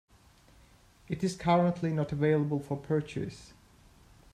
It is currently not available for purchase.